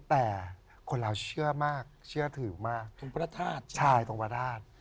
แต่คนราวเชื่อมากเชื่อถือมากตรงพระทาสใช่ตรงพระทาส